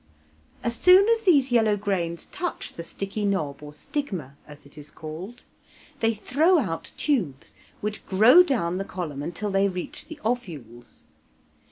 As soon as these yellow grains touch the sticky knob or stigma, as it is called, they throw out tubes, which grow down the column until they reach the ovules.